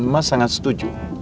mas sangat setuju